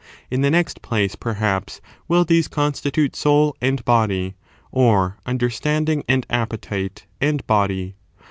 In the next place, perhaps, will these constitute soul and body, or imderstanding, and appetite, and body.